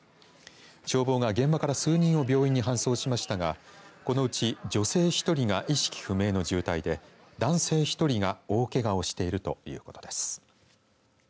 消防が現場から数人を病院に搬送しましたがこのうち、女性１人が意識不明の重体で男性１人が大けがをしているということです。